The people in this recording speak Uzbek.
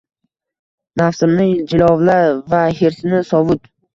Nafsimni jilovla va hirsni sovut